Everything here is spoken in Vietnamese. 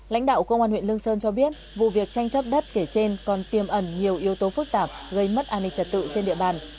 lãnh đạo công an huyện lương sơn cho biết vụ việc tranh chấp đất kể trên còn tiêm ẩn nhiều yếu tố phức tạp gây mất an ninh trật tự trên địa bàn